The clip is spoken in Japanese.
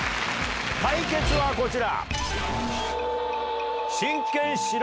対決はこちら。